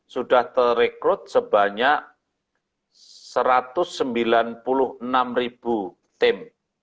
sudah terekrut sebanyak satu ratus sembilan puluh enam ribu tim